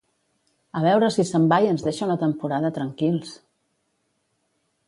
A veure si se'n va i ens deixa una temporada tranquils!